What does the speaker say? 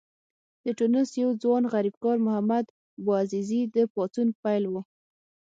د ټونس یو ځوان غریبکار محمد بوعزیزي د پاڅون پیل و.